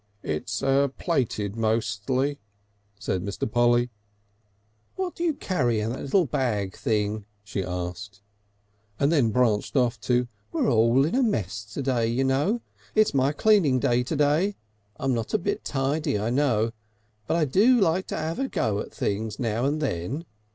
"It's plated mostly," said Mr. Polly. "What do you carry in that little bag thing?" she asked, and then branched off to: "We're all in a mess to day you know. It's my cleaning up day to day. I'm not a bit tidy I know, but I do like to 'ave a go in at things now and then.